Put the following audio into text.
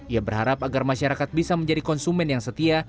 ia berharap agar masyarakat bisa menjadi konsumen yang setia